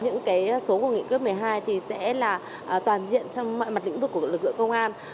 những cái số của nghị quyết một mươi hai thì sẽ là toàn diện trong mọi mặt lĩnh vực của lực lượng công an